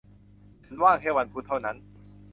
ฉันว่างแค่วันพุธเท่านั้น